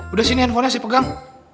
udah sini handphonenya saya pegang